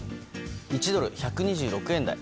１ドル＝１２６円台。